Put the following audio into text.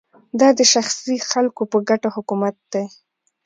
دا د شخصي خلکو په ګټه حکومت دی